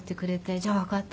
じゃあわかった。